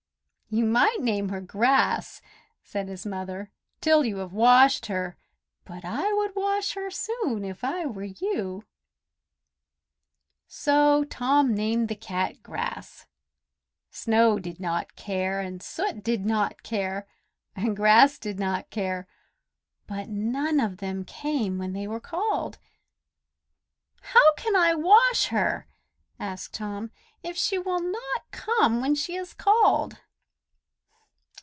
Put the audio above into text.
"You might name her Grass," said his mother, "till you have washed her; but I would wash her soon if I were you." So, Tom named the cat Grass. Snow did not care, and Soot did not care, and Grass did not care, but none of them came when they were called. "How can I wash her," asked Tom, "if she will not come when she is called?"